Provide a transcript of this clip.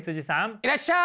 いらっしゃい！